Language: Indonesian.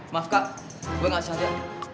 maaf kak gue gak sadar